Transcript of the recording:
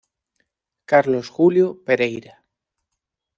Carlos Julio Pereyra.